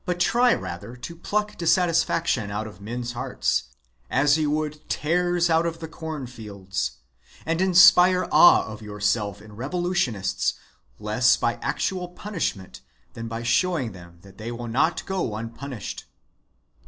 try | rather to pluck disaffection out of men's hearts, as you ' would tares out of your cornfields; and inspire awe of | yourself in revolutionists less by actual punishment ' than by shewing them that they will not go un | punished.